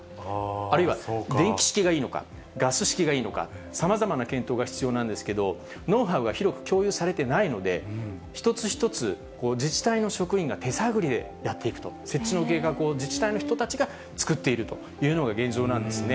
あるいは電気式がいいのか、ガス式がいいのか、さまざまな検討が必要なんですけど、ノウハウが広く共有されてないので、一つ一つ自治体の職員が手探りでやっていくと、設置の計画を自治体の人たちが作っているというのが現状なんですね。